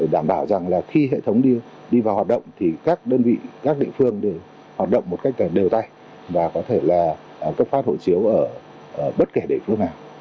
đảm bảo rằng là khi hệ thống đi vào hoạt động thì các đơn vị các địa phương đều hoạt động một cách đều tay và có thể là cấp phát hộ chiếu ở bất kể địa phương nào